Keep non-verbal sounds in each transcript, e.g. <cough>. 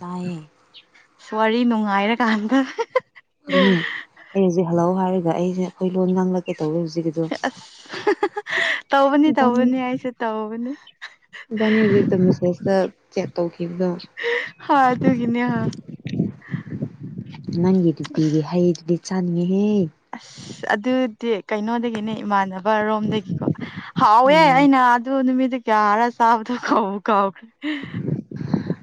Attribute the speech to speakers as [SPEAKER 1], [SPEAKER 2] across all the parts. [SPEAKER 1] ꯇꯥꯏꯌꯦ
[SPEAKER 2] ꯋꯥꯔꯤ ꯅꯨꯡꯉꯥꯏꯔꯀꯥꯟꯗ ꯍꯥ ꯍꯥ
[SPEAKER 1] ꯑꯗ ꯑꯩꯁꯦ ꯑꯩꯈꯣꯏ ꯂꯣꯟ ꯉꯥꯡꯂꯛꯀꯦ ꯇꯧꯋꯦ ꯍꯧꯖꯤꯛꯀꯤꯗꯣ
[SPEAKER 2] ꯑꯁ ꯇꯧꯕꯅꯤ
[SPEAKER 1] ꯏꯕꯥꯅꯤ
[SPEAKER 2] ꯇꯧꯕꯅꯤ ꯍꯥꯏꯁꯨ ꯇꯧꯕꯅꯤ
[SPEAKER 1] ꯏꯕꯥꯅꯤ ꯍꯧꯖꯤꯛꯇ ꯃꯦꯁꯦꯁꯇ ꯆꯦꯠ ꯇꯧꯈꯤꯕꯗꯣ
[SPEAKER 2] ꯍꯥꯥ ꯑꯗꯨꯒꯤꯅꯦ ꯍꯥ
[SPEAKER 1] ꯅꯪꯒꯤꯗꯤ ꯄꯤꯒꯦ ꯍꯩꯗꯨꯗꯤ ꯆꯥꯅꯤꯡꯉꯦꯍꯦ
[SPEAKER 2] ꯑꯗꯨꯗꯤ ꯀꯩꯅꯣꯗꯒꯤꯅꯦ ꯏꯃꯥꯟꯅꯕ ꯔꯣꯝꯗꯒꯤꯀꯣ ꯍꯥꯎꯋꯦ
[SPEAKER 1] ꯎꯝ
[SPEAKER 2] ꯑꯩꯅ ꯑꯗꯨ ꯅꯨꯃꯤꯠ ꯌꯥꯔ ꯆꯥꯕꯗꯣ ꯀꯥꯥꯎꯕꯨ ꯀꯥꯎ <unintelligible>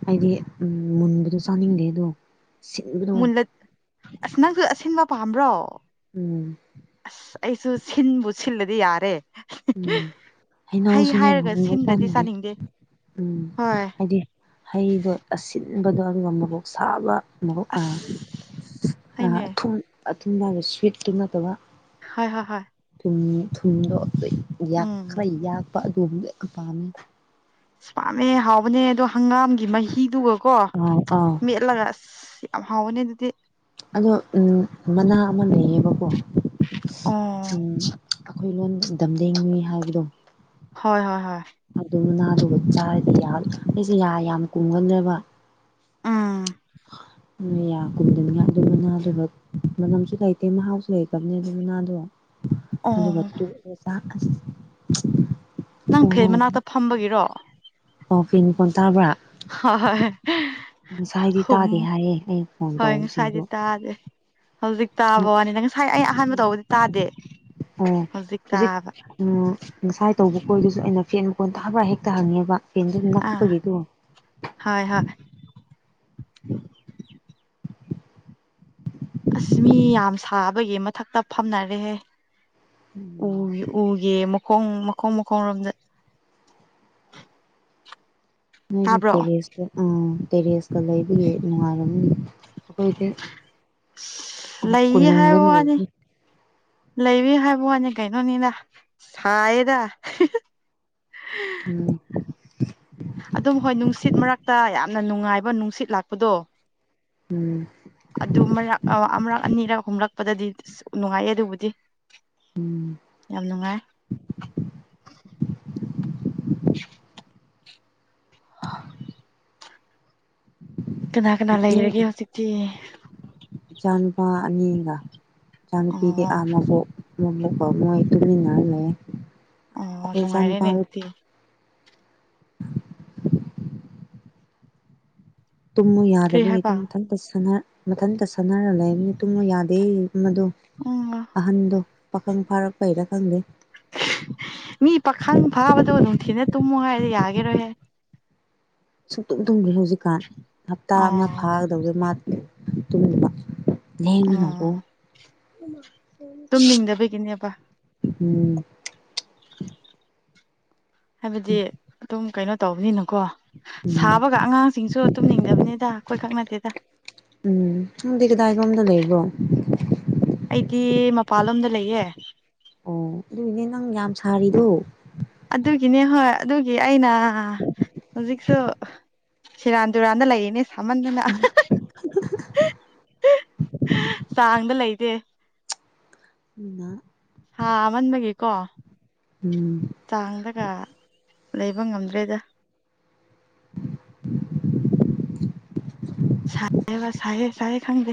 [SPEAKER 1] ꯑꯩꯗꯤ ꯎꯝ ꯃꯨꯟꯕꯗꯣ ꯆꯥꯅꯤꯡꯗꯦ ꯑꯗꯣ ꯁꯤꯟꯕꯗꯣ
[SPEAKER 2] ꯃꯨꯜꯂ ꯑꯁ ꯅꯪꯁꯨ ꯑꯁꯤꯟꯕ ꯄꯥꯝꯕ꯭ꯔꯣ
[SPEAKER 1] ꯎꯝ
[SPEAKER 2] ꯑꯁ ꯑꯩꯁꯨ ꯁꯤꯟꯕꯨ ꯁꯤꯜꯂ ꯗꯤ ꯌꯥꯔꯦ
[SPEAKER 1] ꯎꯝ
[SPEAKER 2] ꯍꯩ
[SPEAKER 1] ꯍꯩꯅꯧꯁꯨꯅꯦ
[SPEAKER 2] ꯍꯥꯏꯔꯒ
[SPEAKER 1] ꯃꯨꯟꯕ
[SPEAKER 2] ꯁꯤꯟꯗ꯭ꯔꯗꯤ
[SPEAKER 1] ꯆꯥꯅꯤꯡꯗꯦ ꯎꯝ
[SPEAKER 2] ꯍꯣꯏ
[SPEAKER 1] ꯍꯥꯏꯗꯤ ꯍꯩꯗꯣ ꯑꯁꯤꯟ ꯕꯗꯣ ꯑꯗꯨꯒ ꯃꯔꯣꯛ ꯁꯥꯕ ꯃꯔꯣꯛ ꯑ
[SPEAKER 2] ꯑꯁ
[SPEAKER 1] ꯑ
[SPEAKER 2] ꯍꯣꯏꯅꯦ
[SPEAKER 1] ꯑꯊꯨꯝ ꯊꯨꯝ ꯂꯕ ꯁ꯭ꯋꯤꯠꯇꯨ ꯅꯠꯇꯕ
[SPEAKER 2] ꯍꯣꯏ ꯍꯣꯏ ꯍꯣꯏ
[SPEAKER 1] ꯑꯝ ꯊꯨꯝꯗꯣ ꯌꯥꯛ
[SPEAKER 2] ꯎꯝ
[SPEAKER 1] ꯈꯔ ꯌꯥꯛꯄ ꯑꯗꯨꯝꯕꯗꯣ ꯌꯥꯝ ꯄꯥꯝꯃꯦ
[SPEAKER 2] ꯑ ꯄꯥꯝꯃꯦ ꯍꯥꯎꯕꯅꯦ ꯑꯗꯣ ꯍꯪꯒꯥꯝꯒꯤ ꯃꯍꯤꯗꯨꯒꯀꯣ
[SPEAKER 1] ꯑꯥ
[SPEAKER 2] ꯃꯦꯠꯂꯒ ꯑꯁ ꯌꯥꯝ ꯍꯥꯎꯕꯅꯦ ꯑꯗꯨꯗꯤ
[SPEAKER 1] ꯑꯗꯣ ꯎꯝ ꯃꯅꯥ ꯑꯃ ꯂꯩꯌꯦꯕꯀꯣ
[SPEAKER 2] ꯑꯣ
[SPEAKER 1] ꯎꯝ ꯑꯩꯈꯣꯏ ꯂꯣꯟ ꯗꯝꯗꯦꯡꯉꯨꯏ ꯍꯥꯏꯕꯗꯣ
[SPEAKER 2] ꯍꯣꯏ ꯍꯣꯏ ꯍꯣꯏ
[SPEAKER 1] ꯑꯗꯨ ꯃꯅꯥꯗꯨꯒ ꯆꯥꯔꯗꯤ ꯌꯥꯝ ꯑꯩꯁꯦ ꯌꯥ ꯌꯥꯝ ꯀꯨꯝꯒꯜꯂꯦꯕ
[SPEAKER 2] ꯎꯝ
[SPEAKER 1] ꯌꯥ ꯀꯨꯝꯗꯅꯤꯡꯉꯥꯢ ꯑꯗꯨ ꯃꯅꯥꯗꯨꯒ ꯃꯅꯝꯁꯨ ꯂꯩꯇꯦ ꯃꯍꯥꯎꯁꯨ ꯂꯩꯇꯝꯅꯦ ꯑꯗꯨ ꯃꯅꯥꯗꯣ
[SPEAKER 2] ꯑꯣ
[SPEAKER 1] ꯑꯗꯨꯒ ꯇꯣꯠꯂꯒ ꯆꯥꯕ ꯑꯁ
[SPEAKER 2] ꯅꯪ ꯐꯦꯟ
[SPEAKER 1] ꯈꯨꯍꯥꯎ
[SPEAKER 2] ꯃꯅꯥꯛꯇ ꯐꯝꯕꯒꯤꯔꯣ
[SPEAKER 1] ꯑꯣ ꯐꯦꯟ ꯃꯈꯣꯟ ꯇꯥꯕ꯭ꯔꯥ
[SPEAKER 2] ꯍꯣ ꯍꯣꯏ
[SPEAKER 1] ꯉꯁꯥꯏꯗꯤ
[SPEAKER 2] ꯍꯨꯝ
[SPEAKER 1] ꯇꯥꯗꯦ ꯍꯥꯏꯌꯦ ꯑꯩ ꯐꯣꯟ
[SPEAKER 2] ꯍꯣꯏ ꯉꯁꯥꯏꯗꯤ
[SPEAKER 1] ꯇꯧꯕꯁꯤꯡꯗꯣ
[SPEAKER 2] ꯇꯥꯗꯦ ꯍꯧꯖꯤꯛ ꯇꯥꯕ
[SPEAKER 1] ꯎꯝ
[SPEAKER 2] ꯋꯥꯅꯤꯗ ꯉꯁꯥꯏ ꯑꯩ ꯑꯍꯥꯟꯕ ꯇꯧꯕꯗꯤ ꯇꯥꯗꯦ
[SPEAKER 1] ꯑꯣ ꯍꯧꯖꯤꯛ ꯎꯝ ꯉꯁꯥꯏ ꯇꯧꯕ ꯈꯣꯏꯗꯁꯨ ꯑꯩꯅ ꯐꯦꯟ ꯐꯣꯟꯗ ꯍꯕ꯭ꯔ ꯍꯦꯛꯇ ꯍꯪꯉꯦꯕ ꯐꯦꯟꯗꯨ
[SPEAKER 2] ꯑꯥ
[SPEAKER 1] ꯅꯛꯄꯒꯤꯗꯣ
[SPEAKER 2] ꯍꯣꯏ ꯍꯣꯏ <inaudible> ꯑꯁ ꯃꯤ ꯌꯥꯝ ꯁꯥꯕꯒꯤ ꯃꯊꯛꯇ ꯐꯝꯅꯔꯦꯍꯦ
[SPEAKER 1] ꯎꯝ
[SPEAKER 2] ꯎꯒꯤ ꯎꯒꯤ ꯃꯈꯣꯡ ꯃ ꯃꯈꯣꯡ ꯃꯈꯣꯡꯔꯣꯝꯗ
[SPEAKER 1] ꯅꯣꯢꯒꯤ
[SPEAKER 2] ꯇꯥꯕ꯭ꯔꯣ
[SPEAKER 1] ꯇꯔꯦꯁꯇ ꯑ ꯇꯦꯔꯦꯁ ꯀ ꯂꯩꯕꯒꯤ ꯅꯨꯡꯉꯥꯏꯔꯝꯅꯤ ꯑꯩꯈꯣꯏꯗ
[SPEAKER 2] ꯑꯁ ꯂꯩꯌꯦ ꯍꯥꯏꯕ
[SPEAKER 1] ꯀꯣꯅꯨꯡꯗꯅꯤ
[SPEAKER 2] ꯋꯥꯅꯤ
[SPEAKER 1] <unintelligible>
[SPEAKER 2] ꯂꯩꯔꯤ ꯍꯥꯏꯕ ꯋꯥꯅꯤ ꯀꯩꯅꯣꯅꯤꯗ ꯊꯥꯏꯌꯦꯗ
[SPEAKER 1] ꯎꯝ
[SPEAKER 2] ꯑꯗꯨꯝ ꯍꯣꯏ ꯅꯨꯡꯁꯤꯠ ꯃꯔꯛꯇ ꯌꯥꯝꯅ ꯅꯨꯡꯉꯥꯏꯕ ꯅꯨꯡꯁꯤꯠ ꯂꯥꯛꯄꯗꯣ
[SPEAKER 1] ꯎꯝ
[SPEAKER 2] ꯑꯗꯨ ꯃꯔꯛ ꯑ ꯑꯃꯔꯛ ꯑꯅꯤꯔꯛ ꯍꯨꯝꯂꯛꯄꯗꯗꯤ ꯏꯁ ꯅꯨꯡꯉꯥꯏꯌꯦ ꯑꯗꯨꯕꯨꯗꯤ ꯌꯥꯝ ꯅꯨꯡꯉꯥꯏ ꯀꯅꯥ ꯀꯅꯥ
[SPEAKER 1] ꯅꯪ
[SPEAKER 2] ꯂꯩꯔꯒꯦ ꯍꯧꯖꯤꯛꯇꯤ
[SPEAKER 1] ꯅꯨꯄꯥ ꯑꯅꯤꯒ ꯏꯆꯥꯅꯨꯄꯤꯗꯤ
[SPEAKER 2] ꯑꯣ
[SPEAKER 1] ꯑꯥ ꯃꯕꯣꯛ <unintelligible> ꯃꯣꯢ ꯇꯨꯝꯃꯤꯟꯅꯔ ꯂꯩꯌꯦ
[SPEAKER 2] ꯑꯣ
[SPEAKER 1] ꯑꯩꯈꯣꯏ
[SPEAKER 2] ꯅꯨꯡꯉꯥꯏꯔꯦꯅꯦ
[SPEAKER 1] ꯏꯆꯥꯅꯨꯄꯥꯗꯨ
[SPEAKER 2] ꯑꯗꯨꯗꯤ
[SPEAKER 1] <inaudible> ꯇꯨꯝꯃꯨ
[SPEAKER 2] ꯀꯔꯤ
[SPEAKER 1] ꯌꯥꯗꯕꯒꯤ
[SPEAKER 2] ꯍꯥꯏꯕ
[SPEAKER 1] ꯑꯗꯨꯝ ꯃꯊꯟꯇ ꯁꯥꯟꯅ ꯃꯊꯟꯇ ꯁꯥꯟꯅꯔ ꯂꯩꯕꯅꯤ ꯇꯨꯝꯃꯣ ꯌꯥꯗꯦ ꯑꯃꯗꯣ
[SPEAKER 2] ꯎꯝ
[SPEAKER 1] ꯑꯍꯟꯗꯣ ꯄꯥꯈꯪ ꯐꯥꯔꯛꯄꯩꯔ ꯈꯪꯗꯦ
[SPEAKER 2] ꯃꯤ ꯄꯥꯈꯪ ꯐꯥꯕꯗꯣ ꯅꯨꯡꯊꯤꯟꯗ ꯇꯨꯝꯃꯣ ꯍꯥꯏꯔ ꯌꯥꯒꯦꯔꯣꯍꯦ
[SPEAKER 1] ꯁꯨꯛꯇꯨꯝ ꯇꯨꯝꯗꯦ ꯍꯧꯖꯤꯛꯀꯥꯟ ꯍꯞꯇꯥ ꯑꯃ
[SPEAKER 2] ꯑꯣ
[SPEAKER 1] ꯐꯥꯒꯗꯧꯔꯦ ꯃꯥ ꯇꯨꯝꯅꯤꯡꯕ
[SPEAKER 2] ꯑꯣ
[SPEAKER 1] <unintelligible>
[SPEAKER 2] ꯇꯨꯝꯅꯤꯡꯗꯕꯒꯤꯅꯦꯕ
[SPEAKER 1] ꯎꯝ
[SPEAKER 2] ꯍꯥꯏꯕꯗꯤ ꯑꯗꯨꯝ ꯀꯩꯅꯣ ꯇꯧꯕꯅꯤꯅꯀꯣ ꯁꯥꯕꯒ ꯑꯉꯥꯡꯁꯤꯡꯁꯨ ꯇꯨꯝꯅꯤꯡꯗꯕꯅꯤꯗ ꯑꯩꯈꯣꯢ ꯈꯛ ꯅꯠꯇꯦꯗ
[SPEAKER 1] ꯎꯝ ꯅꯪꯗꯤ ꯀꯗꯥꯏ ꯔꯣꯝꯗ ꯂꯩꯕ꯭ꯔꯣ
[SPEAKER 2] ꯑꯩꯗꯤ ꯃꯄꯥꯟꯂꯣꯝꯗ ꯂꯩꯌꯦ
[SPEAKER 1] ꯑꯣ ꯑꯗꯨꯏꯅꯦ ꯅꯪ ꯌꯥꯝ ꯁꯥꯔꯤꯗꯣ
[SPEAKER 2] ꯑꯗꯨꯒꯤꯅꯦ ꯍꯣꯏ ꯑꯗꯨꯒꯤ ꯑꯩꯅ ꯍꯧꯖꯤꯛꯁꯨ ꯁꯦꯔꯥꯟ ꯇꯨꯔꯥꯟꯗ ꯂꯩꯔꯤꯅꯦ ꯁꯥꯃꯟꯗꯅ ꯑꯍꯍ ꯍꯍ ꯆꯥꯡꯗ ꯂꯩ ꯇꯦ
[SPEAKER 1] ꯎꯅ
[SPEAKER 2] ꯍꯥꯥ ꯃꯟꯕꯒꯤ ꯀꯣ
[SPEAKER 1] ꯎꯝ
[SPEAKER 2] ꯂꯩꯕ ꯉꯝꯗ꯭ꯔꯦꯗ ꯁꯥꯏꯌꯦꯕ ꯁꯥꯏꯌꯦ ꯁꯥꯏꯌꯦ ꯈꯪꯗꯦ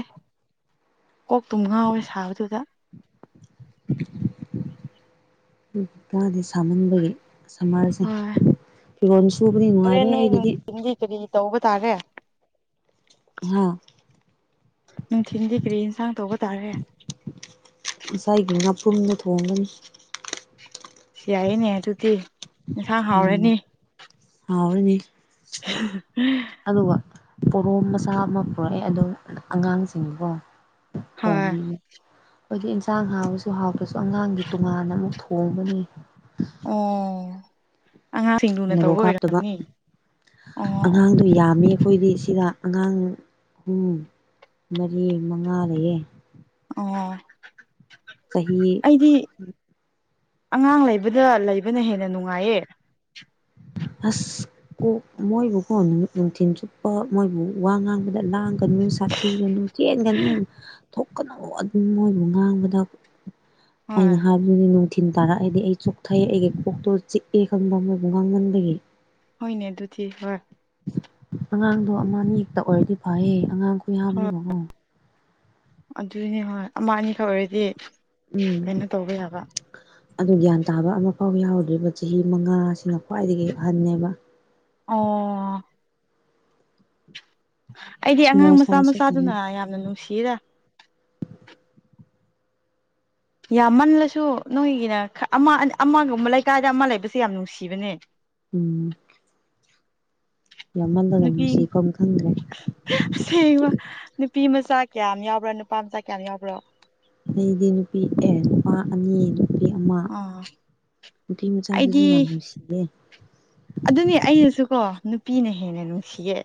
[SPEAKER 2] ꯀꯣꯛꯇꯨꯝ ꯉꯥꯎꯋꯦ ꯁꯥꯕꯗꯨꯗ
[SPEAKER 1] <inaudible> ꯎꯝ ꯃꯥꯗꯦꯁ ꯁꯥꯃꯟꯕꯒꯤ ꯁꯝꯃꯔꯁꯦ
[SPEAKER 2] ꯍꯣꯏ
[SPEAKER 1] ꯐꯤꯔꯣꯜ ꯁꯨꯕꯗꯤ
[SPEAKER 2] ꯍꯣꯔꯦꯟ
[SPEAKER 1] ꯅꯨꯡꯉꯥꯏꯔꯦ
[SPEAKER 2] ꯅꯣꯏ
[SPEAKER 1] ꯑꯩꯒꯤꯗꯤ
[SPEAKER 2] ꯅꯨꯡꯊꯤꯟꯗꯤ ꯀꯔꯤ ꯇꯧꯕ ꯇꯥꯔꯦ
[SPEAKER 1] ꯍꯥ
[SPEAKER 2] ꯅꯨꯡꯊꯤꯟꯗꯤ ꯀꯔꯤ ꯏꯟꯁꯥꯡ ꯇꯧꯕ ꯇꯥꯔꯦ
[SPEAKER 1] ꯊꯨꯝꯅ ꯊꯣꯡꯒꯅꯤ
[SPEAKER 2] ꯁꯤ ꯌꯥꯏꯌꯦꯅꯦ ꯑꯗꯨꯗꯤ ꯏꯟꯁꯥꯡ
[SPEAKER 1] ꯎꯝ
[SPEAKER 2] ꯍꯥꯎꯔꯅꯤ
[SPEAKER 1] ꯍꯥꯎꯔꯅꯤ
[SPEAKER 2] ꯍꯍ ꯎꯝ
[SPEAKER 1] ꯑꯗꯨꯒ ꯄꯣꯔꯣꯝ ꯃꯆꯥ ꯑꯃ ꯄꯨꯔꯛꯑꯦ ꯑꯗꯨ ꯑꯉꯥꯡꯁꯤꯡꯀꯣ
[SPEAKER 2] ꯍꯣꯏ
[SPEAKER 1] ꯑꯈꯣꯏꯗꯤ ꯏꯟꯁꯥꯡ ꯍꯥꯥꯎꯔꯁꯨ ꯍꯥꯎꯇ꯭ꯔꯁꯨ ꯑꯉꯥꯡꯒꯤ ꯇꯣꯉꯥꯟꯅ ꯑꯃꯨꯛ ꯊꯣꯡꯕꯅꯤ
[SPEAKER 2] ꯑꯣ ꯑꯉꯥꯡꯁꯤꯡ ꯂꯨꯅ
[SPEAKER 1] ꯃꯣꯔꯣꯛ
[SPEAKER 2] ꯇꯧꯕ
[SPEAKER 1] ꯍꯥꯞꯇꯕ
[SPEAKER 2] ꯑꯣꯏꯔꯝꯅꯤ ꯑꯣ ꯑꯣ
[SPEAKER 1] ꯑꯉꯥꯡꯗꯤ ꯌꯥꯝꯃꯦ ꯑꯈꯣꯏꯗꯤ ꯁꯤꯗ ꯑꯉꯥꯡ ꯑꯍꯨꯝ ꯃꯔꯤ ꯃꯉꯥ ꯂꯩꯌꯦ
[SPEAKER 2] ꯑꯣ
[SPEAKER 1] ꯆꯍꯤ
[SPEAKER 2] ꯑꯩꯗꯤ ꯑꯉꯥꯡ ꯂꯩꯕꯗ ꯂꯩꯕꯅ ꯍꯦꯟꯅ ꯅꯨꯡꯉꯥꯏꯌꯦ
[SPEAKER 1] ꯑꯁ ꯀꯣꯛ ꯃꯣꯏꯕꯨꯀꯣ ꯅꯨꯃꯤꯠ ꯅꯨꯡꯊꯤꯟ ꯆꯨꯞꯄ ꯃꯣꯏꯕꯨ ꯋꯥ ꯉꯥꯡꯕꯗ ꯂꯥꯡ ꯀꯅꯨ ꯁꯥꯊꯤꯒꯅꯨ ꯆꯦꯟꯒꯅꯨ ꯊꯣꯛꯀꯅꯨ ꯑꯗꯨꯝ ꯃꯣꯏꯕꯨ ꯉꯥꯡꯕꯗ ꯑꯩꯅ
[SPEAKER 2] ꯍꯣꯏ
[SPEAKER 1] ꯍꯥꯏꯕꯗꯨꯅꯤ ꯅꯨ ꯊꯤꯟ ꯇꯥꯔꯦꯑꯦꯗꯤ ꯑꯩ ꯆꯣꯛꯊꯩ ꯑꯩꯒꯤ ꯀꯣꯛꯇꯣ ꯆꯤꯛꯑꯦ ꯈꯪꯕ ꯃꯣꯏꯕꯨ ꯉꯥꯡꯃꯟꯕꯒꯤ
[SPEAKER 2] ꯍꯣꯏꯅꯦ ꯑꯗꯨ ꯗꯤ ꯍꯣꯏ
[SPEAKER 1] ꯑꯉꯥꯡꯗꯣ ꯑꯃ ꯑꯅꯤ ꯈꯛꯇ ꯑꯣꯏꯔꯗꯤ ꯐꯩꯌꯦ ꯑꯉꯥꯡ ꯈꯨꯌꯥꯝꯗꯨꯒ ꯀꯣ
[SPEAKER 2] ꯑꯗꯨꯅꯦ ꯍꯣꯏ ꯑꯃ ꯑꯅꯤꯈꯛ ꯑꯣꯏꯔꯗꯤ
[SPEAKER 1] ꯎꯝ
[SPEAKER 2] ꯀꯩꯅꯣ ꯇꯧꯕ ꯌꯥꯕ
[SPEAKER 1] ꯐꯥꯎ ꯌꯥꯎꯗ꯭ꯔꯤꯕ ꯆꯍꯤ ꯃꯉꯥꯁꯤꯅ ꯈ꯭ꯋꯥꯏꯗꯒꯤ ꯑꯍꯟꯅꯦꯕ
[SPEAKER 2] ꯑꯣ ꯑꯩꯗꯤ ꯑꯉꯥꯡ
[SPEAKER 1] ꯁ꯭ꯃꯣꯜ
[SPEAKER 2] ꯃꯆꯥ
[SPEAKER 1] ꯁꯥꯏꯖ ꯈꯛꯇꯅꯦ
[SPEAKER 2] ꯃꯆꯥꯗꯨꯅ ꯌꯥꯝꯅ ꯅꯨꯡꯁꯤꯌꯦꯗ ꯌꯥꯝꯃꯜꯂꯁꯨ ꯅꯣꯏꯒꯤꯅ ꯑꯃ ꯑꯃꯒꯨꯝꯕ ꯂꯩꯀꯥꯏꯗ ꯑꯃ ꯂꯩꯕꯁꯦ ꯌꯥꯝ ꯅꯨꯡꯁꯤꯕꯅꯦ
[SPEAKER 1] ꯎꯝ ꯌꯥꯝꯃꯜꯂꯒ
[SPEAKER 2] ꯅꯨꯄꯤ
[SPEAKER 1] ꯅꯨꯡꯁꯤꯐꯝ ꯈꯪꯗ꯭ꯔꯦ
[SPEAKER 2] ꯑꯁꯦꯡꯕ ꯅꯨ ꯅꯨꯄꯤ ꯃꯆꯥ ꯀꯌꯥ ꯌꯥꯎꯕ꯭ꯔꯥ ꯅꯨꯄꯥ ꯃꯆꯥ ꯀꯌꯥ ꯌꯥꯎꯕ꯭ꯔꯣ
[SPEAKER 1] ꯑꯩꯗꯤ ꯅꯨꯄꯤ ꯑꯦ ꯅꯨꯄꯥ ꯑꯅꯤ ꯅꯨꯄꯤ ꯑꯃ
[SPEAKER 2] ꯑꯥ
[SPEAKER 1] ꯅꯨꯄꯤ ꯃꯆꯥꯗꯨꯁꯨ ꯌꯥꯝ ꯅꯨꯡꯁꯤꯌꯦ
[SPEAKER 2] ꯑꯗꯨꯅꯤ ꯑꯩꯅꯁꯨ ꯀꯣ ꯅꯨꯄꯤꯅ ꯍꯦꯟꯅ ꯅꯨꯡꯁꯤꯌꯦ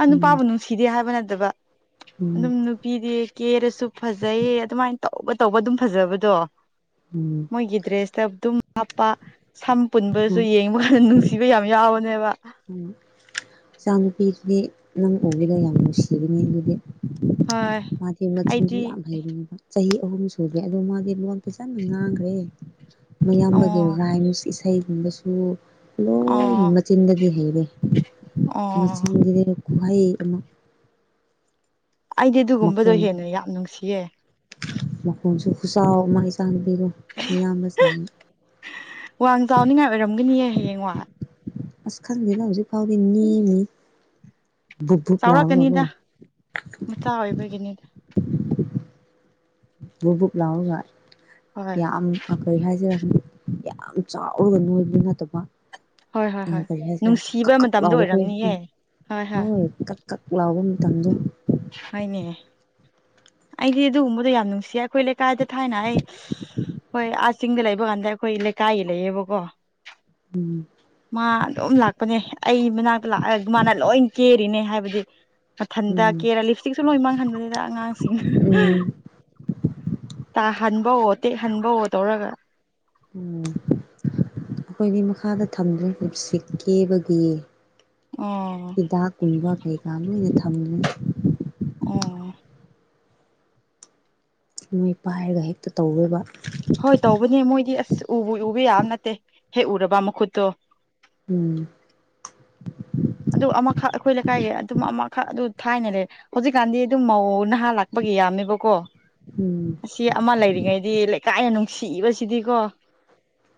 [SPEAKER 2] ꯑ
[SPEAKER 1] ꯎꯝ
[SPEAKER 2] ꯅꯨꯄꯥꯕꯨ ꯅꯨꯡꯁꯤꯗꯦ ꯍꯥꯏꯕꯅ ꯕ
[SPEAKER 1] ꯎꯝ
[SPEAKER 2] ꯑꯗꯨꯝ ꯅꯨꯄꯤꯗꯤ ꯀꯦꯔꯁꯨ ꯐꯖꯩꯌꯦ ꯑꯗꯨꯃꯥꯏꯅ ꯇꯧꯕ ꯇꯧꯕ ꯑꯗꯨꯝ ꯐꯖꯕꯗꯣ
[SPEAKER 1] ꯎꯝ
[SPEAKER 2] ꯃꯣꯏꯒꯤ ꯗ꯭ꯔꯦꯁꯇ ꯑꯗꯨꯝ ꯍꯥꯞꯄ ꯁꯝ ꯄꯨꯟꯕꯁꯨ
[SPEAKER 1] ꯍꯣꯏ
[SPEAKER 2] ꯌꯦꯡꯕ ꯈ ꯅꯨꯡꯁꯤ ꯌꯥꯝ ꯌꯥꯎꯕꯅꯦꯕ
[SPEAKER 1] ꯎ ꯏꯆꯥ ꯅꯨꯨꯄꯤꯗꯨꯗꯤ ꯅꯪ ꯎꯕꯗ ꯌꯥꯝ ꯅꯨꯡꯁꯤꯔꯅꯤ ꯑꯗꯨꯗꯤ
[SPEAKER 2] ꯍꯣꯏ
[SPEAKER 1] ꯃꯥꯗꯤ ꯃꯆꯤꯟꯁꯨ
[SPEAKER 2] ꯑꯩꯗꯤ
[SPEAKER 1] ꯌꯥꯝ ꯍꯩꯕꯅꯦꯕ ꯆꯍꯤ ꯑꯍꯨꯝ ꯁꯨꯗ꯭ꯔꯤ ꯑꯗꯣ ꯃꯥꯗꯤ ꯂꯣꯟ ꯐꯤꯖꯅ ꯉꯥꯡꯈ꯭ꯔꯦ
[SPEAKER 2] ꯑꯣ
[SPEAKER 1] ꯃꯌꯥꯝꯕꯒꯤ ꯔꯥꯏꯝꯁ ꯏꯁꯩꯒꯨꯝꯕꯁꯨ ꯂꯣꯏꯅ
[SPEAKER 2] ꯑꯣ
[SPEAKER 1] ꯃꯆꯤꯟꯗꯒꯤ
[SPEAKER 2] ꯑꯣ
[SPEAKER 1] ꯃꯆꯤꯟꯗꯗꯣ ꯈꯨꯍꯩ ꯑꯃ
[SPEAKER 2] ꯑꯩꯗꯤ ꯑꯗꯨꯒꯨꯝꯕꯗꯣ
[SPEAKER 1] ꯃꯈꯣꯟ
[SPEAKER 2] ꯍꯦꯟꯅ ꯌꯥꯝ ꯅꯨꯡꯁꯤꯌꯦ
[SPEAKER 1] ꯃꯈꯣꯟꯁꯨ ꯈꯨꯆꯥꯎ ꯑꯃ ꯏ ꯆꯥꯡꯅꯄꯤꯗꯣ ꯃꯌꯥꯝꯕꯁꯤꯡ
[SPEAKER 2] ꯋꯥꯡ ꯆꯥꯎꯅꯤꯉꯥꯏ ꯑꯣꯏꯔꯝꯒꯅꯤꯌꯦ ꯍꯌꯦꯡꯋꯥꯢ
[SPEAKER 1] ꯑꯁ ꯈꯪꯗꯦꯅꯦ ꯍꯧꯖꯤꯛ ꯐꯥꯎꯗꯤ ꯅꯦꯝꯃꯤ ꯕꯨꯞꯕꯨꯞ ꯂꯥꯎꯔꯒꯀꯣ
[SPEAKER 2] ꯆꯥꯎꯔꯛꯀꯅꯤꯗ ꯃꯆꯥ ꯑꯣꯏꯕꯒꯤꯅꯤꯗ
[SPEAKER 1] ꯕꯨ ꯕꯨꯛ ꯂꯥꯎꯒ
[SPEAKER 2] ꯍꯣꯏ
[SPEAKER 1] ꯌꯥꯝ ꯀꯩ ꯍꯥꯏꯁꯤꯔ ꯌꯥꯝ ꯆꯥꯎꯔꯒ ꯅꯣꯏꯕꯗꯨ ꯅꯠꯇꯕ
[SPEAKER 2] ꯍꯣꯏ ꯍꯣꯏ
[SPEAKER 1] ꯑ
[SPEAKER 2] ꯍꯣꯏ
[SPEAKER 1] ꯀꯔꯤ ꯍꯥꯏꯁꯤꯔ ꯀꯛ
[SPEAKER 2] ꯅꯨꯡꯁꯤꯕ
[SPEAKER 1] ꯀꯛ
[SPEAKER 2] ꯃꯇꯝꯗꯣ
[SPEAKER 1] ꯂꯥꯎꯕꯈꯣꯏ
[SPEAKER 2] ꯑꯣꯏꯔꯝꯅꯤꯌꯦ
[SPEAKER 1] ꯍꯣꯏ ꯀꯛ ꯀꯛ ꯂꯥꯎꯕ ꯃꯇꯝꯗꯣ
[SPEAKER 2] ꯍꯥꯏꯅꯦ ꯑꯩꯗꯤ ꯑꯗꯨꯒꯨꯝꯕꯗꯣ ꯌꯥꯝ ꯅꯨꯡꯁꯤꯌꯦ ꯑꯩꯈꯣꯏ ꯂꯩꯀꯥꯏꯗ ꯊꯥꯏꯅ ꯑꯩ ꯑꯩꯈꯣꯏ ꯑꯥ ꯆꯤꯡꯗ ꯂꯩꯕ ꯀꯥꯟꯗ ꯑꯩꯈꯣꯏ ꯂꯩꯀꯥꯏꯒꯤ ꯂꯩꯌꯦꯕꯀꯣ
[SPEAKER 1] ꯎꯝ
[SPEAKER 2] ꯃꯥ ꯑꯗꯨꯝ ꯂꯥꯛꯄꯅꯦ ꯑꯩ ꯃꯅꯥꯛꯇ ꯂꯥꯛꯑꯒ ꯃꯥꯅ ꯂꯣꯏ ꯀꯦꯔꯤꯅꯦ ꯍꯥꯏꯕꯗꯤ ꯃꯊꯟꯇ
[SPEAKER 1] ꯎꯝ
[SPEAKER 2] ꯀꯦꯔꯥ ꯂꯤꯞꯁꯇꯤꯛꯁꯨ ꯂꯣꯏ ꯃꯥꯡꯍꯟꯕꯅꯤꯗ ꯑꯉꯥꯡꯁꯤꯡꯅ
[SPEAKER 1] ꯎꯝ
[SPEAKER 2] ꯇ ꯍꯟꯕꯋꯣ ꯇꯦꯛ ꯍꯟꯕꯋꯣ ꯇꯧꯔꯒ
[SPEAKER 1] ꯎꯝ ꯑꯩꯈꯣꯏꯗꯤ ꯃꯈꯥꯗ ꯊꯝꯗ꯭ꯔꯦ ꯂꯤꯞꯁꯇꯤꯛ ꯀꯦꯕꯒꯤ
[SPEAKER 2] ꯑꯣ
[SPEAKER 1] ꯍꯤꯗꯥꯛ ꯀꯨꯝꯕ ꯀꯩꯀꯥ ꯂꯣꯏꯅ ꯊꯝꯗ꯭ꯔꯦ
[SPEAKER 2] ꯑꯣ
[SPEAKER 1] ꯅꯣꯏ ꯄꯥꯏꯔꯒ ꯍꯦꯛꯇ ꯇꯧꯔꯣꯏꯕ
[SPEAKER 2] ꯍꯣꯏ ꯇꯧꯕꯅꯦ ꯃꯣꯏꯗꯤ ꯎꯕꯨ ꯎꯕ ꯌꯥꯕ ꯅꯠꯇꯦ ꯍꯦꯛ ꯎꯔꯕ ꯃꯈꯨꯠꯇꯣ
[SPEAKER 1] ꯎꯝ
[SPEAKER 2] ꯑꯗꯨ ꯑꯃꯈꯛ ꯑꯩꯈꯣꯏ ꯂꯩꯀꯥꯏꯒꯤ ꯑꯗꯨꯝ ꯑꯃꯈꯛ ꯑꯗꯨ ꯊꯥꯏꯅ ꯂꯩ ꯍꯧꯖꯤꯛꯀꯥꯟꯗꯤ ꯑꯗꯨꯝ ꯃꯧ ꯅꯍꯥ ꯂꯥꯛꯄ ꯒꯤꯌꯥꯝꯃꯦꯕ ꯀꯣ
[SPEAKER 1] ꯎꯝ
[SPEAKER 2] ꯑꯁꯤ ꯑꯃ ꯂꯩꯔꯤꯉꯩꯗꯤ ꯂꯩꯀꯥꯏꯅ ꯅꯨꯡꯁꯤꯕꯁꯤꯗꯤꯀꯣ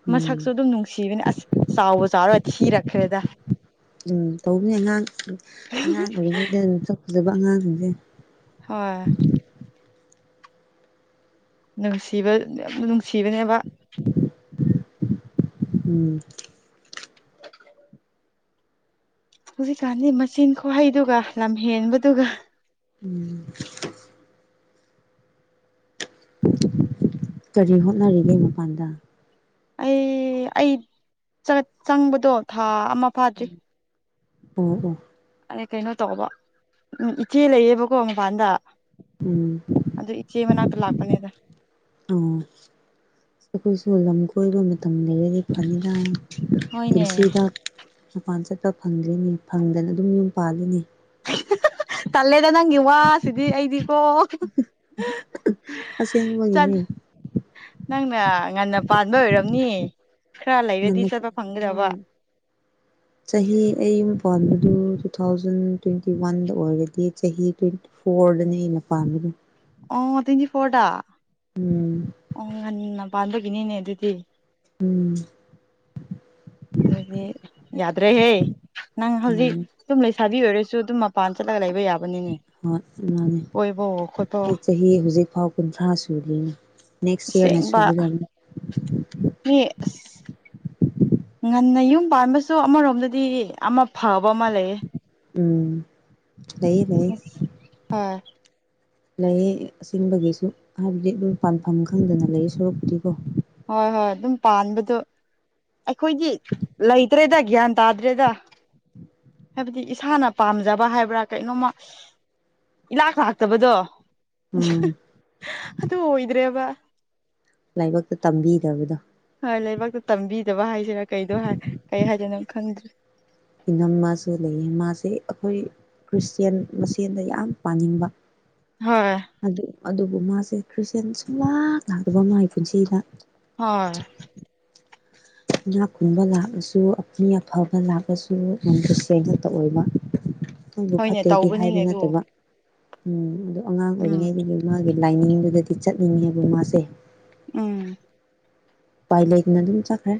[SPEAKER 1] ꯎꯝ
[SPEAKER 2] ꯃꯁꯛꯁꯨ ꯑꯗꯨꯝ ꯅꯨꯡꯁꯤꯕꯅꯦ ꯑꯁ ꯆꯥꯎꯕꯨ ꯆꯥꯎꯔ ꯊꯤꯔꯛꯈ꯭ꯔꯦꯗ
[SPEAKER 1] ꯎꯝ ꯇꯧꯕꯅꯦ ꯑꯉꯥꯡ ꯑꯉꯥꯡ ꯑꯣꯏꯔꯤꯉꯩꯗ ꯃꯁꯛ ꯐꯖꯕ ꯑꯉꯥꯡꯁꯤꯡꯁꯦ
[SPEAKER 2] ꯍꯣꯏ ꯅꯨꯡꯁꯤꯕ ꯌꯥꯝꯅ ꯅꯨꯡꯁꯤꯕꯅꯦꯕ
[SPEAKER 1] ꯎꯝ
[SPEAKER 2] ꯍꯧꯖꯤꯛꯀꯥꯟꯗꯤ ꯃꯆꯤꯟ ꯈꯨꯍꯩꯗꯨꯒ ꯂꯝꯍꯦꯟꯕꯗꯨꯒ
[SPEAKER 1] ꯎꯝ ꯀꯔꯤ ꯍꯣꯠꯅꯔꯤꯒꯦ ꯃꯄꯥꯟꯗ
[SPEAKER 2] ꯑꯩ ꯑꯩ ꯆꯠ ꯆꯪꯕꯗꯣ ꯊꯥ ꯑꯃ ꯐꯥꯗ꯭ꯔꯤ
[SPEAKER 1] ꯑꯣ ꯑꯣ
[SPEAKER 2] ꯑꯩ ꯀꯩꯅꯣ ꯇꯧꯕ ꯎꯝ ꯏꯆꯦ ꯂꯩꯌꯦꯕꯀꯣ ꯃꯄꯥꯟꯗ
[SPEAKER 1] ꯎꯝ
[SPEAKER 2] ꯑꯗꯨ ꯏꯆꯦ ꯃꯅꯥꯛꯇ ꯂꯥꯛꯄꯅꯦꯗ
[SPEAKER 1] ꯑꯣ ꯑꯩꯈꯣꯏꯁꯨ ꯂꯝ ꯀꯣꯏꯕ ꯃꯇꯝ ꯂꯩꯔꯗꯤ ꯐꯅꯤꯗ
[SPEAKER 2] ꯍꯣꯏꯅꯦ
[SPEAKER 1] ꯄꯨꯟꯁꯤꯗꯥꯛ ꯃꯄꯥꯟ ꯆꯠꯄ ꯐꯪꯗ꯭ꯔꯤꯅꯤ ꯐꯪꯗꯅ ꯑꯗꯨꯝ ꯌꯨꯝ ꯄꯥꯜꯂꯤꯅꯤ
[SPEAKER 2] ꯇꯜꯂꯦꯗ ꯅꯪꯒꯤ ꯋꯥ ꯁꯤꯗꯤ ꯑꯩꯗꯤꯀꯣ ꯆꯠ
[SPEAKER 1] ꯁꯦꯡꯕꯒꯤꯅꯦ
[SPEAKER 2] ꯅꯪꯅ ꯉꯟꯅ ꯄꯥꯟꯕ ꯑꯣꯏꯔꯝꯅꯤ ꯈꯔ ꯂꯩꯔꯗꯤ
[SPEAKER 1] ꯉꯟꯅ
[SPEAKER 2] ꯆꯠꯄ ꯐꯪꯒꯗꯕ
[SPEAKER 1] ꯍꯝ ꯆꯍꯤ ꯑꯩ ꯄꯥꯟꯕꯗꯨ ꯇꯨ ꯊꯥꯎꯖꯟ ꯇ꯭ꯋꯦꯟꯇꯤ ꯋꯥꯟꯗ ꯑꯣꯏꯔꯗꯤ ꯆꯍꯤ ꯇ꯭ꯋꯦꯟꯇꯤ ꯐꯣꯔꯗꯅꯦ ꯑꯩꯅ ꯄꯥꯟꯕꯗꯨ
[SPEAKER 2] ꯑꯣ ꯇ꯭ꯋꯦꯟꯇꯤ ꯐꯣꯔꯗ
[SPEAKER 1] ꯎꯝ
[SPEAKER 2] ꯑꯣ ꯉꯟꯅ ꯄꯥꯟꯕꯥꯒꯤꯅꯤꯅꯦ ꯑꯗꯨꯗꯤ
[SPEAKER 1] ꯎꯝ
[SPEAKER 2] ꯑꯗꯨꯗꯤ ꯌꯥꯗ꯭ꯔꯦꯍꯦ ꯅꯪ ꯍꯧꯖꯤꯛ
[SPEAKER 1] ꯃꯥꯅꯦ
[SPEAKER 2] ꯁꯨꯝ ꯂꯩꯁ ꯁꯥꯕꯤ ꯑꯣꯏꯔꯁꯨ ꯑꯗꯨꯝ ꯃꯄꯥꯟ ꯆꯠꯂꯒ ꯂꯩ
[SPEAKER 1] ꯍꯣꯏ ꯃꯥꯅꯦ
[SPEAKER 2] ꯀꯣꯏꯕꯋꯣ ꯈꯣꯠꯄꯋꯣ
[SPEAKER 1] ꯑꯩ ꯆꯍꯤ ꯍꯧꯖꯤꯛ ꯐꯥꯎ ꯀꯨꯟꯊ꯭ꯔꯥ ꯁꯨꯗ꯭ꯔꯤꯅꯤ ꯅꯦꯛꯁ ꯌꯔꯅ
[SPEAKER 2] ꯑꯁꯦꯡꯕ
[SPEAKER 1] ꯁꯨꯒꯗꯝꯅꯦ
[SPEAKER 2] ꯃꯤ ꯑꯁ ꯉꯟꯅ ꯌꯨꯝ ꯄꯥꯟꯕꯁꯨ ꯑꯃꯔꯣꯝꯗꯗꯤ ꯑꯃ ꯐꯕ ꯑꯃ ꯂꯩꯌꯦ
[SPEAKER 1] ꯎꯝ ꯂꯩꯌꯦ ꯂꯩꯌꯦ
[SPEAKER 2] ꯑꯁ ꯍ
[SPEAKER 1] ꯂꯩꯌꯦ ꯑꯁꯦꯡꯕꯒꯤꯁꯨ ꯍꯥꯏꯕꯗꯤ ꯑꯗꯨꯝ ꯌꯨꯝ ꯄꯥꯟꯐꯝ ꯈꯪꯗꯅ ꯂꯩꯌꯦ ꯁꯔꯨꯛꯄꯨꯗꯤꯀꯣ
[SPEAKER 2] ꯍꯣꯏ ꯍꯣꯏ ꯑꯗꯨꯝ ꯄꯥꯟꯕꯗꯣ ꯑꯈꯣꯏꯗꯤ ꯂꯩꯇ꯭ꯔꯦꯗ ꯒ꯭ꯌꯥꯟ ꯇꯥꯗ꯭ꯔꯦꯗ ꯍꯥꯏꯕꯗꯤ ꯏꯁꯥꯅ ꯄꯥꯝꯖꯕ ꯍꯥꯏꯕ꯭ꯔꯥ ꯀꯩꯅꯣꯃ ꯏꯂꯥꯛ ꯂꯥꯛꯇꯕꯗꯣ ꯑꯍ
[SPEAKER 1] ꯎꯝ
[SPEAKER 2] ꯑꯗꯨ ꯑꯣꯏꯗ꯭ꯔꯦꯕ
[SPEAKER 1] ꯂꯥꯏꯕꯛꯇ ꯇꯝꯕꯤꯗꯕꯗꯣ
[SPEAKER 2] ꯍꯣꯏ ꯂꯥꯏꯕꯛꯇ ꯇꯝꯕꯤꯗꯕ ꯍꯥꯏꯁꯤꯔꯥ ꯀꯩꯗꯣ ꯍꯥꯏ ꯀꯩ ꯍꯥꯏꯗꯣꯏꯅꯣ ꯈꯪꯗ꯭ꯔꯦ
[SPEAKER 1] ꯏꯅꯝꯃꯥꯁꯨ ꯂꯩꯌꯦ ꯃꯥꯁꯦ ꯑꯩꯈꯣꯏ ꯈ꯭ꯔꯤꯁꯇꯦꯟ ꯃꯁꯦꯟꯗ ꯌꯥꯝ ꯄꯥꯟꯅꯤꯡꯕ
[SPEAKER 2] ꯍꯣꯏ
[SPEAKER 1] ꯑꯗꯨꯕꯨ ꯃꯥꯁꯦ ꯈ꯭ꯔꯤꯁꯇꯦꯟ ꯁꯨꯝꯂꯥꯛ ꯂꯥꯛꯇꯕ ꯃꯥꯒꯤ ꯄꯨꯟꯁꯤꯗ
[SPEAKER 2] ꯍꯣꯏ
[SPEAKER 1] ꯏꯅꯥ ꯈꯨꯟꯕ ꯂꯥꯛꯂꯁꯨ ꯃꯤ ꯑꯐꯕ ꯂꯥꯛꯂꯁꯨ ꯅꯟ ꯈ꯭ꯔꯤꯁꯇꯦꯟ ꯈꯛꯇ ꯑꯣꯏꯕ
[SPEAKER 2] <inaudible>
[SPEAKER 1] ꯅꯣꯏꯕꯨ ꯐꯠꯇꯦꯗꯤ ꯍꯥꯏꯕ
[SPEAKER 2] ꯇꯧꯕꯅꯤꯅꯦ ꯑꯗꯨ
[SPEAKER 1] ꯅꯠꯇꯕ ꯎꯝ ꯑꯗꯣ ꯑꯉꯥꯡ
[SPEAKER 2] ꯎꯝ
[SPEAKER 1] ꯑꯣꯏꯔꯤꯉꯩꯗꯒꯤ ꯃꯥꯒꯤ ꯂꯥꯏꯅꯤꯡꯗꯨꯗꯗꯤ ꯆꯠꯅꯤꯡꯉꯦꯕ ꯃꯥꯁꯦ
[SPEAKER 2] ꯎꯝ
[SPEAKER 1] ꯎꯄꯥꯏ ꯂꯩꯇꯅ ꯑꯗꯨꯝ ꯆꯠꯈ꯭ꯔꯦ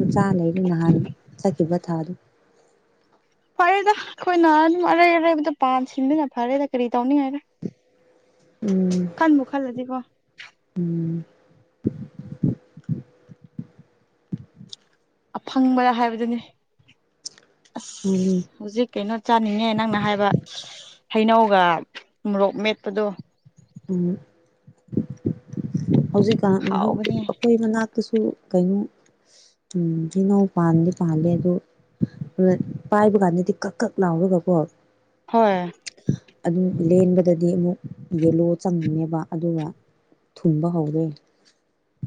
[SPEAKER 1] ꯃꯆꯥ ꯂꯩꯔꯦ ꯅꯍꯥꯟ ꯆꯠꯈꯤꯕ ꯊꯥꯗꯣ
[SPEAKER 2] ꯐꯔꯦꯗ ꯑꯈꯣꯏꯅ ꯑꯗꯨꯝ ꯑꯔꯩ ꯑꯔꯩꯕꯗ ꯄꯥꯟ ꯁꯤꯟꯕꯅ ꯐꯔꯦꯗ ꯀꯔꯤ ꯇꯧꯅꯤꯡꯉꯥꯏꯔ ꯈꯟꯕꯨ ꯈꯜꯂꯗꯤꯀꯣ
[SPEAKER 1] ꯎꯝ
[SPEAKER 2] ꯑꯐꯪꯕꯗ ꯍꯥꯏꯕꯗꯨꯅꯤ ꯑꯁ ꯍꯧꯖꯤꯛ ꯀꯩꯅꯣ ꯆꯥꯅꯤꯡꯉꯦ ꯅꯪꯅ ꯍꯥꯏꯕ ꯍꯩꯅꯧꯒ ꯃꯣꯔꯣꯛ ꯃꯦꯠꯄꯗꯣ
[SPEAKER 1] ꯎꯝ ꯍꯧꯖꯤꯛꯀꯥꯟ ꯑꯥ
[SPEAKER 2] ꯍꯥꯎꯕꯅꯦ
[SPEAKER 1] ꯑꯈꯣꯏ ꯃꯅꯥꯛ ꯇꯁꯨ ꯀꯩꯅꯣ ꯎꯝ ꯍꯩꯅꯧ ꯄꯥꯟꯗꯤ ꯄꯥꯜꯂꯦ ꯑꯗꯣ ꯑꯗꯨ ꯄꯥꯏꯕ ꯀꯥꯟꯗꯗꯤ ꯀꯛ ꯀꯛ ꯂꯥꯎꯔꯒꯀꯣ
[SPEAKER 2] ꯍꯣꯏ
[SPEAKER 1] ꯑꯗꯨꯝ ꯂꯦꯟꯕꯗꯗꯤ ꯑꯃꯨꯛ ꯌꯦꯂꯣ ꯆꯪꯅꯦꯕ ꯑꯗꯨꯒ ꯊꯨꯝꯕ ꯍꯧꯔꯦ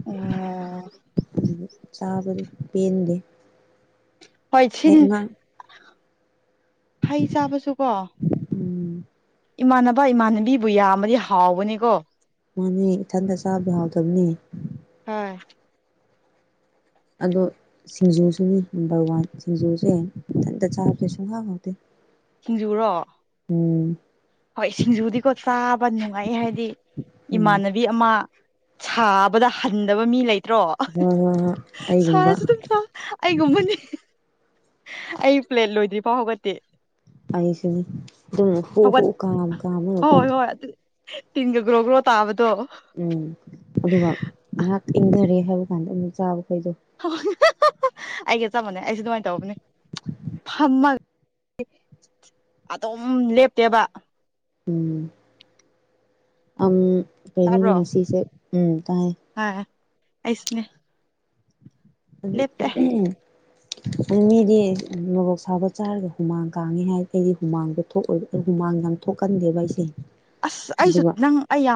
[SPEAKER 2] ꯎꯝ
[SPEAKER 1] ꯆꯥꯕꯒꯤ ꯄꯦꯟꯗꯦ
[SPEAKER 2] ꯍꯣꯏ
[SPEAKER 1] ꯑꯩ
[SPEAKER 2] ꯁꯤꯟ
[SPEAKER 1] ꯑꯉꯥꯡ
[SPEAKER 2] ꯍꯩ ꯆꯥꯕꯁꯨ ꯀꯣ
[SPEAKER 1] ꯎꯝ
[SPEAKER 2] ꯏꯃꯥꯟꯅꯕ ꯏꯃꯥꯟꯅꯕꯤꯕꯨ ꯌꯥꯝꯃꯗꯤ ꯍꯥꯎꯕꯅꯤꯀꯣ
[SPEAKER 1] ꯃꯥꯅꯦ ꯏꯊꯟꯇ ꯆꯥꯕꯗꯤ ꯌꯥꯎꯇꯕꯅꯦ
[SPEAKER 2] ꯍꯣꯏ
[SPEAKER 1] ꯑꯗꯣ ꯁꯤꯡꯖꯨꯁꯨꯅꯤ ꯅꯝꯕꯔ ꯋꯥꯟ ꯁꯤꯡꯖꯨꯁꯦ ꯏꯊꯟꯇ ꯆꯥꯕꯁꯦ ꯁꯨꯡꯍꯥꯎꯍꯥꯎꯇꯦ
[SPEAKER 2] ꯁꯤꯡꯖꯨꯔꯣ
[SPEAKER 1] ꯎꯝ
[SPEAKER 2] ꯍꯣꯏ ꯁꯤꯡꯖꯨꯗꯤꯀꯣ ꯆꯥꯕ ꯅꯨꯡꯉꯥꯏ ꯍꯥꯏꯗꯤ
[SPEAKER 1] ꯎꯝ
[SPEAKER 2] ꯏꯃꯥꯟꯅꯕꯤ ꯑꯃ ꯁꯥꯕꯗ ꯍꯟꯗꯕ ꯃꯤ ꯂꯩ ꯅꯠꯇ꯭ꯔꯣ
[SPEAKER 1] ꯍꯣꯏ ꯍꯣꯏ ꯍꯣꯏ ꯑꯩꯒꯨꯝꯕ
[SPEAKER 2] ꯁꯥꯔꯁꯨ ꯑꯗꯨꯝ ꯁꯥ ꯑꯩꯒꯨꯝꯕꯅꯦ ꯑꯩ ꯄ꯭ꯂꯦꯠ ꯂꯣꯏꯗ꯭ꯔꯤ ꯐꯥꯎ ꯍꯧꯒꯠꯇꯦ
[SPEAKER 1] ꯑꯩꯁꯨꯅꯤ ꯍꯨ ꯍꯨ
[SPEAKER 2] ꯍꯧꯒꯠ
[SPEAKER 1] ꯀꯥꯝ ꯀꯥꯝꯃꯥꯒꯀꯣ
[SPEAKER 2] ꯍꯣꯏ ꯍꯣꯏ ꯑꯗꯨ ꯇꯤꯟꯒ ꯒ꯭ꯔꯣꯒ꯭ꯔꯣ ꯇꯥꯕꯗꯣ
[SPEAKER 1] ꯎꯝ ꯑꯗꯨꯒ ꯉꯥꯏꯍꯥꯛ ꯏꯪꯊꯔꯦ ꯍꯥꯏꯕ ꯀꯥꯟꯗ ꯑꯗꯨꯛ ꯆꯥꯕꯗꯣ
[SPEAKER 2] ꯍꯣꯏ ꯑꯩꯒ ꯆꯞ ꯃꯥꯟꯅꯧ ꯑꯩꯁꯨ ꯑꯗꯨꯃꯥꯏꯅ ꯇꯧꯕꯅꯦ ꯐꯝꯃꯒ ꯑꯗꯨꯝ ꯂꯦꯞꯇꯦꯕ
[SPEAKER 1] ꯎꯝ ꯑꯥ ꯀꯩꯅꯣꯅꯦ
[SPEAKER 2] ꯇꯥꯕ꯭ꯔꯣ
[SPEAKER 1] ꯉꯁꯤꯁꯦ ꯎꯝ ꯇꯥꯏ
[SPEAKER 2] ꯍꯣꯏ ꯑꯩꯁꯨꯅꯦ ꯂꯦꯞꯇꯦ
[SPEAKER 1] ꯑꯗꯨ ꯃꯤꯗꯤ ꯃꯣꯔꯣꯛ ꯁꯥꯕ ꯆꯥꯔꯒ ꯍꯨꯃꯥꯡ ꯀꯥꯡꯉꯤ ꯍꯥꯏ ꯑꯩꯗꯤ ꯍꯨꯃꯥꯡꯁꯨ ꯊꯣꯛꯑꯣꯏꯕ ꯍꯨ ꯍꯨꯃꯥꯡ ꯊꯣꯛ ꯀꯟꯗꯦꯕ ꯑꯩꯁꯦ
[SPEAKER 2] ꯑꯁ ꯑꯩꯁꯨ
[SPEAKER 1] ꯑꯗꯨꯒ
[SPEAKER 2] ꯅꯪ ꯑꯩ ꯌꯥꯝ